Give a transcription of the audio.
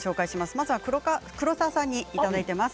まずは黒沢さんにいただいています。